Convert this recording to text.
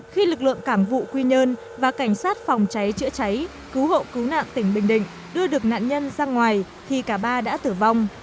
khi lực lượng cảng vụ quy nhơn và cảnh sát phòng cháy chữa cháy cứu hộ cứu nạn tỉnh bình định đưa được nạn nhân ra ngoài thì cả ba đã tử vong